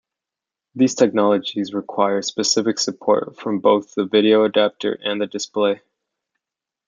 These technologies require specific support from both the video adapter and the display.